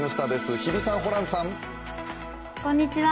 日比さん、ホランさん。